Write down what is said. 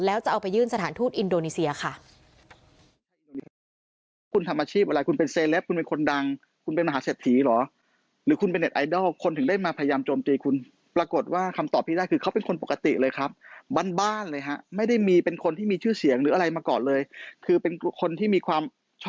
แล้วจะเอาไปยื่นสถานทูตอินโดนีเซียค่ะ